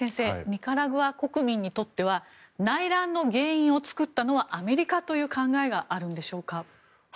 ニカラグア国民にとっては内乱の原因を作ったのはアメリカという考えがあるんでしょうか？